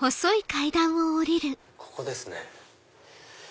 ここですね。